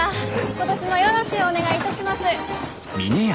今年もよろしゅうお願いいたします。